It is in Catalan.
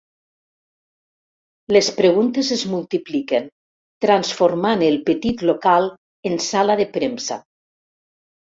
Les preguntes es multipliquen transformant el petit local en sala de premsa.